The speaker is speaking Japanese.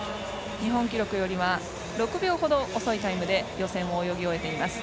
日本記録よりは６秒ほど遅いタイムで予選を泳ぎ終えています。